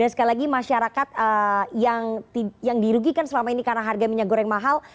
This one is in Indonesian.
sekali lagi masyarakat yang dirugikan selama ini karena harga minyak goreng mahal